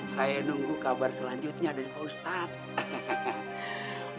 saya nunggu kabar selanjutnya dari ustadz